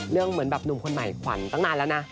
เหมือนแบบหนุ่มคนใหม่ขวัญตั้งนานแล้วนะ